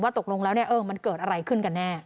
ตกลงแล้วมันเกิดอะไรขึ้นกันแน่